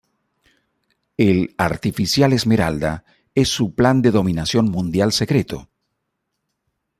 El "Artificial Esmeralda" es su plan de dominación mundial secreto.